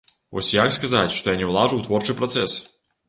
Вось і як сказаць, што я не ўлажу ў творчы працэс?